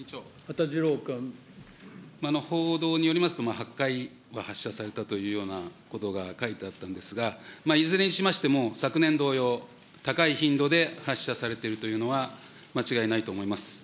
報道によりますと、８回は発射されたというようなことが書いてあったんですが、いずれにしましても、昨年同様、高い頻度で発射されているというのは、間違いないと思います。